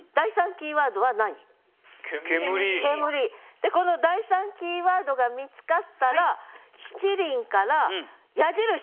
でこの第３キーワードが見つかったら「七輪」から矢印！